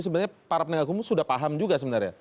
sebenarnya para penegak hukum sudah paham juga sebenarnya